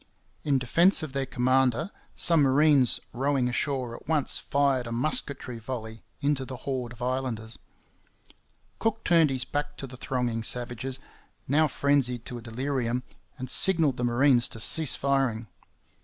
In defence of their commander some marines rowing ashore at once fired a musketry volley into the horde of islanders. Cook turned his back to the thronging savages, now frenzied to a delirium, and signalled the marines to cease firing.